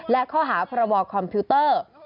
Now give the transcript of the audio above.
และข้อหาพรบคอมพิวเตอร์